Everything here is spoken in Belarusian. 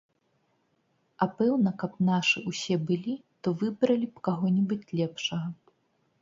А пэўна, каб нашы ўсе былі, то выбралі б каго-небудзь лепшага.